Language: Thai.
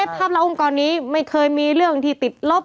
ภาพล้าองค์กรนี้ไม่เคยมีเรื่องที่ติดลบ